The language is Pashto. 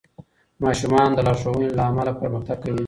ماشومان د لارښوونو له امله پرمختګ کوي.